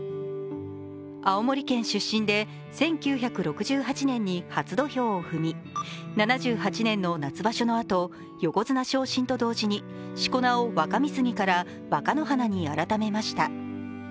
青森県出身で１９６８年に初土俵を踏み、７８年の夏場所のあと、横綱昇進と同時にしこ名を若三杉から若乃花に改めました。